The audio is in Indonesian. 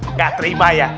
nggak terima ya